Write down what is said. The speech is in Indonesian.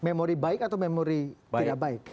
memori baik atau memori tidak baik